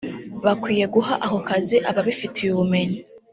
bakwiye guha ako kazi ababifitiye ubumenyi